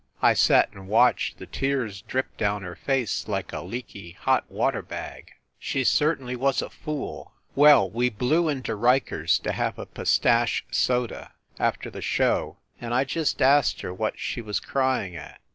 I sat and watched the tears drip down her face like a leaky hot water bag. She certainly was a fool. Well, we blew into Riker s to have a pistache soda after the show and I just asked her what she was crying at.